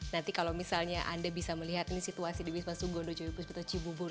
nanti kalau misalnya anda bisa melihat ini situasi di wisma sugondo coyobus betoci bubur